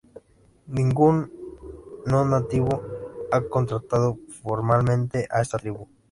Ningún no nativo ha contactado formalmente a esta tribu.